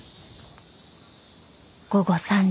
［午後３時］